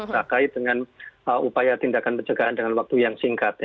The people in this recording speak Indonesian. terkait dengan upaya tindakan pencegahan dengan waktu yang singkat